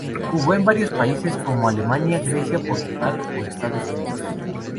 Jugó en varios países, como Alemania, Grecia, Portugal o Estados Unidos.